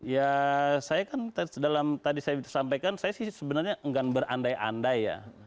ya saya kan dalam tadi saya sampaikan saya sih sebenarnya enggan berandai andai ya